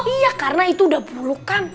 iya karena itu udah perlukan